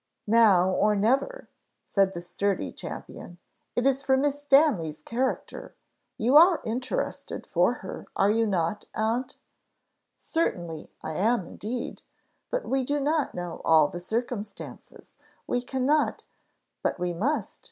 "Now or never," said the sturdy champion; "it is for Miss Stanley's character. You are interested for her, are not you, aunt?" "Certainly, I am indeed; but we do not know all the circumstances we cannot " "But we must.